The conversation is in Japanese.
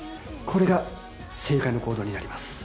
これが正解の行動になります。